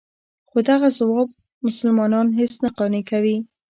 خو دغه ځواب مسلمانان هېڅ نه قانع کوي.